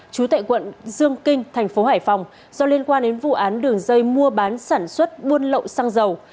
chú tệ quận dương kinh tp hải phòng do liên quan đến vụ án đường dây mua bán sản xuất buôn lậu xăng dầu